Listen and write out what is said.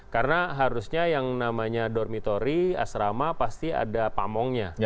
karena harusnya yang namanya dormitori asrama pasti ada pamongnya